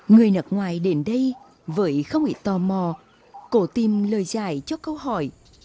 người nước ngoài đến đây với không ý tò mò cố tìm lời giải cho câu hỏi